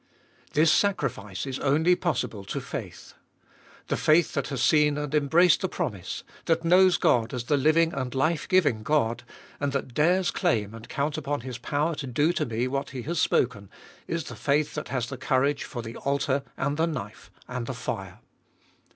This sacrifice is only possible to faith. The faith that has seen and embraced the promise, that knows God as the living and life giving God, and that dares claim and count upon His power to do to me what He has spoken, is the faith that has the courage for the altar and the knife arid the fire.